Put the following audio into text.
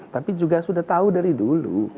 tapi juga sudah tahu dari dulu